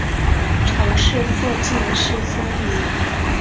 城市附近是森林。